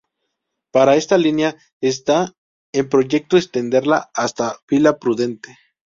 Para esta línea, está en proyecto extenderla hasta Vila Prudente.